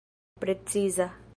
preciza